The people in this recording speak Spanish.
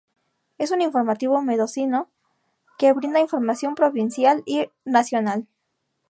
Es un informativo mendocino que brinda información provincial y nacional.